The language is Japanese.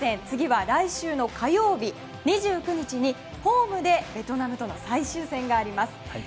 次は来週の火曜日２９日にホームでベトナムとの最終戦があります。